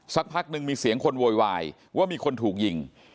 สักพักหนึ่งมีเสียงคนโวยวายว่ามีคนถูกยิง